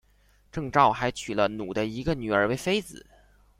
郑昭还娶了努的一个女儿为妃子。